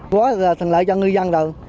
quá là thần lợi cho ngư dân đâu